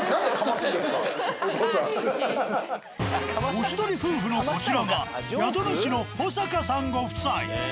おしどり夫婦のこちらが宿主の保坂さんご夫妻。